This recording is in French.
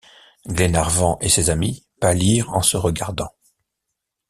Glenarvan et ses amis pâlirent en se regardant.